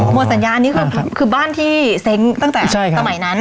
หมดสัญญานี้คือบ้านที่เซ้งตั้งแต่สมัยนั้น